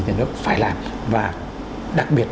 nhà nước phải làm và đặc biệt